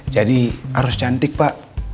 jadi harus cantik pak